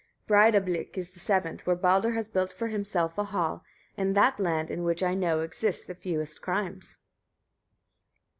12. Breidablik is the seventh, where Baldr has built for himself a hall, in that land, in which I know exists the fewest crimes.